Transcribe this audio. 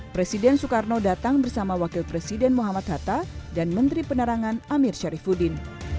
presiden soekarno datang bersama wakil presiden muhammad hatta dan menteri penerangan amir syarifudin